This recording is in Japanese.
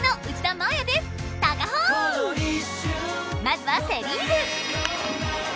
まずはセ・リーグ。